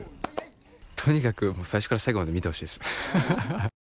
とにかく最初から最後まで見てほしいです。